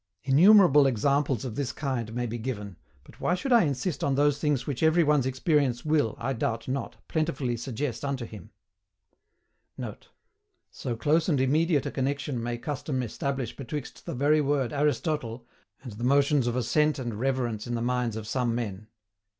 Innumerable examples of this kind may be given, but why should I insist on those things which every one's experience will, I doubt not, plentifully suggest unto him? [Note: "So close and immediate a connection may custom establish betwixt the very word ARISTOTLE, and the motions of assent and reverence in the minds of some men."